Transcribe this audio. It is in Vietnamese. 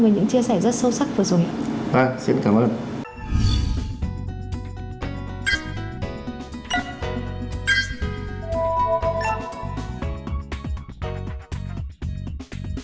với những chia sẻ rất sâu sắc vừa rồi